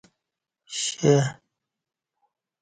شے